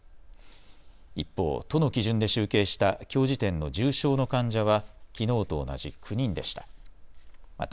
一方、都の基準で集計したきょう時点の重症の患者はきのうと同じ９人でした。